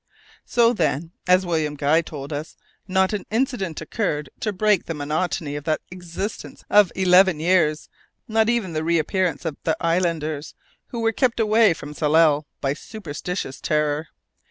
So, then, as William Guy told us, not an incident occurred to break the monotony of that existence of eleven years not even the reappearance of the islanders, who were kept away from Tsalal by superstitious terror.